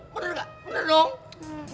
bener nggak bener dong